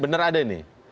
benar ada ini